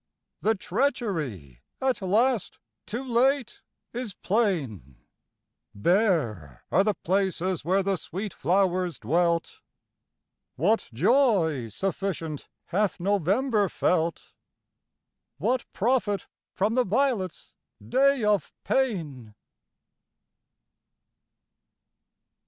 The treachery, at last, too late, is plain; Bare are the places where the sweet flowers dwelt. What joy sufficient hath November felt? What profit from the violet's day of pain?